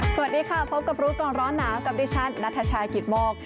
สวัสดีค่ะพบกับรู้ก่อนร้อนหนาวกับดิฉันนัทชายกิตโมก